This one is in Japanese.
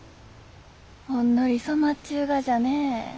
ほんのり染まっちゅうがじゃね。